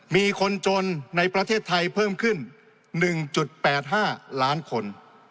มีคนจนในประเทศไทยเพิ่มขึ้น๑๘๕ล้านคน